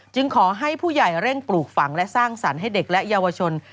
ขอให้ผู้ใหญ่เร่งปลูกฝังและสร้างสรรค์ให้เด็กและเยาวชน